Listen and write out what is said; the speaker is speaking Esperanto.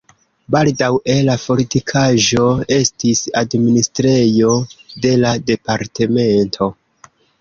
Baldaŭe la fortikaĵo estis administrejo de la departemento.